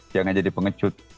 jangan jadi pengecut